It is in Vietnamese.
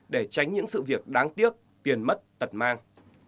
để tránh những sự việc đáng tiếc tiền mất tật mang